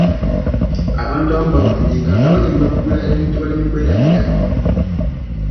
Abantu abamu bawandiika nga bagenda okugula ebintu baleme kwerabira.